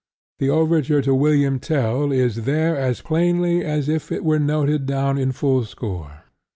The Overture to William Tell is there as plainly as if it were noted down in full score.